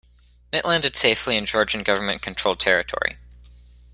It landed safely in Georgian government-controlled territory.